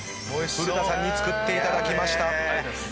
古田さんに作っていただきました。